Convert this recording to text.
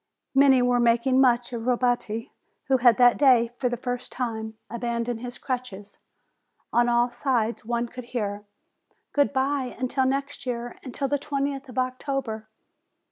Many were making much of Robetti, who had that day, for the first time, abandoned his crutches. On all sides one could hear : "Good bye until next year! Until the twentieth of October